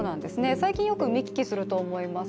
最近よく見聞きすると思います。